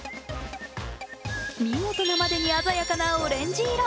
見事なまでに鮮やかなオレンジ色。